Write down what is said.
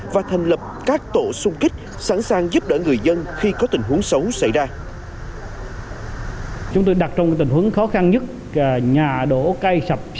và thành lập các tổ sung kích sẵn sàng giúp đỡ người dân khi có tình huống xấu xảy ra